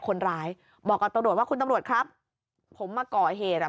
คนร้ายบอกกับตำรวจว่าคุณตำรวจครับผมมาก่อเหตุอ่ะ